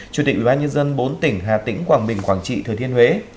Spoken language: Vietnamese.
chủ tịch ubnd bốn tỉnh hà tĩnh quảng bình quảng trị thừa thiên huế